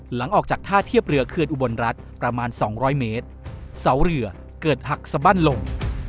หลังจากท่าเทียบเรือเคือนอุบลรัฐประมาณสองร้อยเมตรเสาเรือเกิดหักสบั้นลง